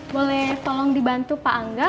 boleh tolong dibantu pak angga